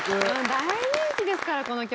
大人気ですからこの曲。